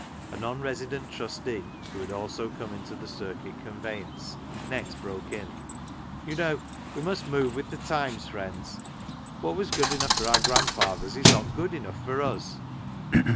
A non resident Trustee, who had also come in the circuit conveyance, next broke in —" You know we must move with the times, friends. What was good enough for our grand fathers is not good enough for us."